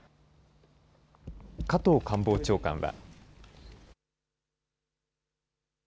加藤官房長官は。